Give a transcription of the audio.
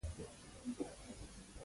مړه ته د جنت بښنه غواړو